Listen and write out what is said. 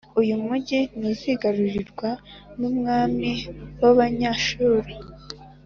uyu mugi ntuzigarurirwa n’umwami w’Abanyashuru.